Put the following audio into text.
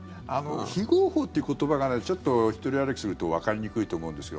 非合法という言葉がちょっと独り歩きするとわかりにくいと思うんですよ。